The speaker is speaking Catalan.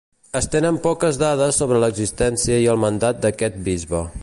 Es tenen poques dades sobre l'existència i el mandat d'aquest bisbe.